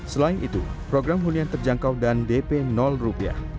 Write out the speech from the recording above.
selain itu program hunian terjangkau dan dp rupiah